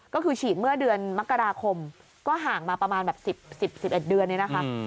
ก็คือฉีดเมื่อเดือนมกราคมก็ห่างมาประมาณแบบ๑๐๑๑เดือนเนี่ยนะคะ